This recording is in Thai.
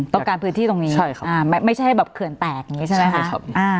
การพื้นที่ตรงนี้ไม่ใช่แบบเขื่อนแตกอย่างนี้ใช่ไหมครับ